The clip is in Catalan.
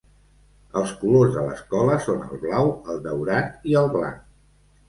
Els colors de l'escola són el blau, el daurat i el blanc.